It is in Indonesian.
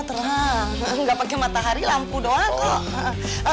terang nggak pakai matahari lampu doang kok